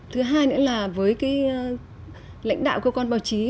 thứ hai nữa là với cái lãnh đạo cơ quan báo chí